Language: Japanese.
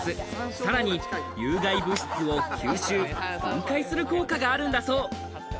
さらに有害物質を吸収、分解する効果があるんだそう。